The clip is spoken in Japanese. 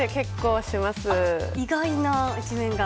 意外な一面が。